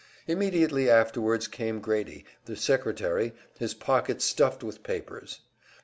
Immediately afterwards came Grady, the secretary, his pockets stuffed with his papers.